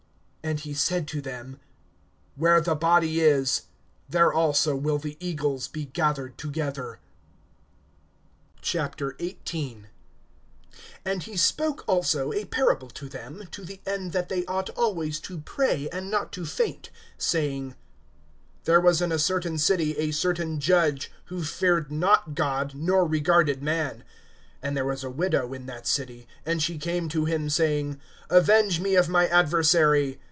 And he said to them: Where the body is, there also will the eagles be gathered together. XVIII. AND he spoke also a parable to them, to the end that they ought always to pray, and not to faint; (2)saying: There was in a certain city a certain judge, who feared not God, nor regarded man. (3)And there was a widow in that city; and she came to him, saying: Avenge me of my adversary.